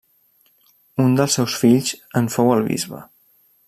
Un dels seus fills en fou el bisbe.